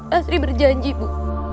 lasri berjanji ibu